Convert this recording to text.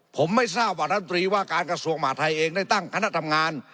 ผมไม่ทราบว่ารัฐมนตรีว่าการกระทรวงมหาทัยเองได้ตั้งคณะทำงาน